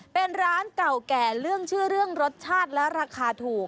เป็นร้านเก่าแก่เรื่องชื่อเรื่องรสชาติและราคาถูก